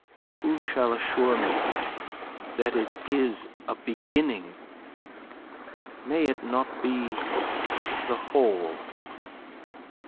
"Who shall assure me that it is a beginning? May it not be the whole?